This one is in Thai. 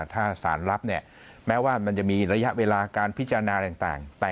ถ้าสารรับเนี่ยแม้ว่ามันจะมีระยะเวลาการพิจารณาต่าง